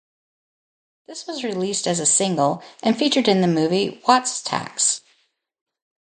This was released as a single and featured in the movie Wattstax.